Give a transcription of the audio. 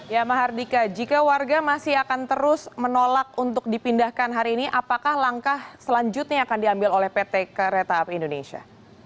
ya mahardika jika warga masih akan terus menolak untuk dipindahkan hari ini apakah langkah selanjutnya akan diambil oleh pt kereta api indonesia